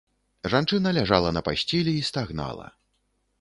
Жанчына ляжала на пасцелі і стагнала.